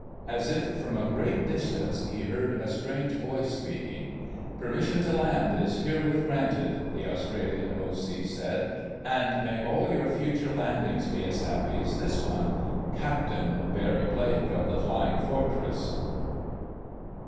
As if from a great distance he heard a strange voice speaking. "Permission to land is herewith granted," the Australian O.C. said. "And may all your future landings be as happy as this one, Captain Barry Blake of the Flying Fortress!"